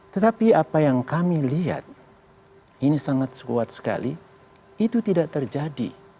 tetapi apa yang kami lihat ini sangat kuat sekali itu tidak terjadi